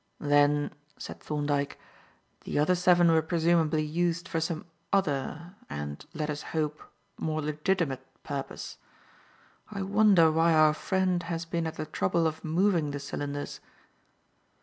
"Then," said Thorndyke, "the other seven were presumably used for some other and let us hope, more legitimate purpose. I wonder why our friend has been at the trouble of moving the cylinders."